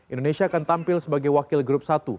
indonesia akan tampil sebagai wakil grup satu